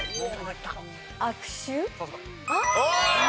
悪臭。